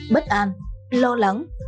bất an lo lắng